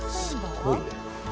すごいね。